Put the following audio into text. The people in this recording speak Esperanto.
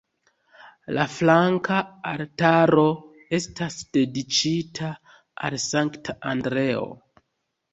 La flanka altaro estas dediĉita al Sankta Andreo.